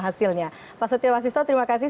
hasilnya pak setio pak sisto terima kasih